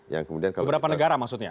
beberapa negara maksudnya